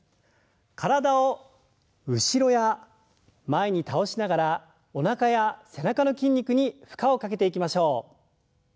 体を後ろや前に倒しながらおなかや背中の筋肉に負荷をかけていきましょう。